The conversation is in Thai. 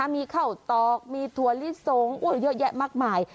มีข้าวตอกมีถั่วลิสงเยอะแยะมากมาย